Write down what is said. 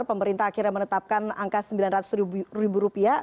pemerintah akhirnya menetapkan angka rp sembilan ratus